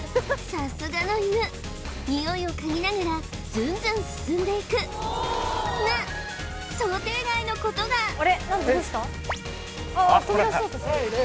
さすがの犬ニオイを嗅ぎながらズンズン進んでいくが想定外のことが何で？